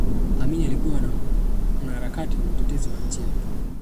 Amin alikuwa mwanaharakati mtetezi wa nchi yake